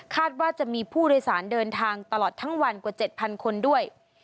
ว่าจะมีผู้โดยสารเดินทางตลอดทั้งวันกว่า๗๐๐คนด้วย